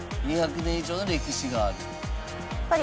「２００年以上の歴史がある」